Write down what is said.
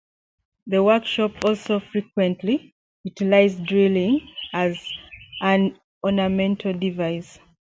The workshop also frequently utilized drilling as an ornamental device.